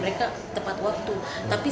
kesalahan saya adalah